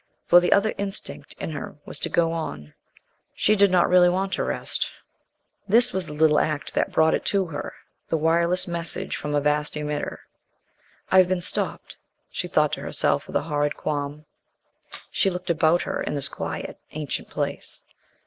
For the other instinct in her was to go on. She did not really want to rest. This was the little act that brought it to her the wireless message from a vast Emitter. "I've been stopped," she thought to herself with a horrid qualm. She looked about her in this quiet, ancient place.